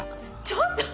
ちょっと！